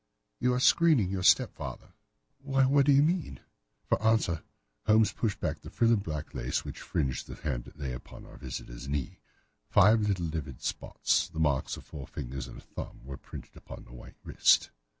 You are screening your stepfather." "Why, what do you mean?" For answer Holmes pushed back the frill of black lace which fringed the hand that lay upon our visitor's knee. Five little livid spots, the marks of four fingers and a thumb, were printed upon the white wrist.